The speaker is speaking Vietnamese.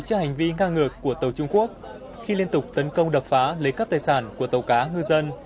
trước hành vi ngang ngược của tàu trung quốc khi liên tục tấn công đập phá lấy cắp tài sản của tàu cá ngư dân